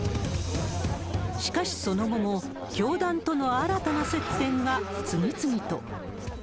しかしその後も、教団との新たな接点が次々と。